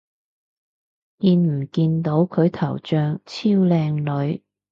見唔見到佢頭像超靚女